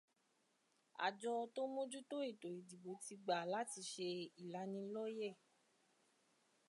Àjọ tó ń mójú tó ètò ìdìbò ti gbà láti ṣè ètò ìlanilọ́yẹ̀.